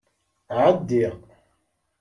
Ɛeddi.